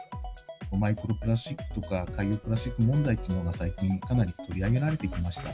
マイクロプラスチックとか、海洋プラスチック問題というのが最近、かなり取り上げられてきました。